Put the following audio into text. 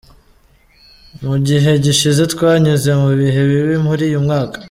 Mu gihe gishize twanyuze mu bihe bibi muri uyu mwaka.